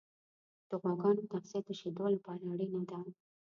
د غواګانو تغذیه د شیدو لپاره اړینه ده.